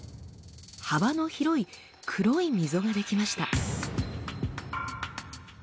幅の広い黒い溝が出来ました。